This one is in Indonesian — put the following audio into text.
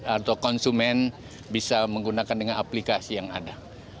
atau konsumen bisa menggunakan dengan aplikasi yang ada